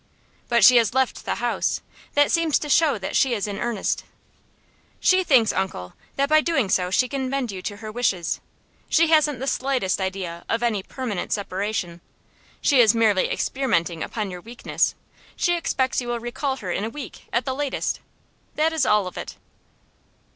"But she has left the house. That seems to show that she is in earnest." "She thinks, uncle, that by doing so she can bend you to her wishes. She hasn't the slightest idea of any permanent separation. She is merely experimenting upon your weakness. She expects you will recall her in a week, at the latest. That is all of it."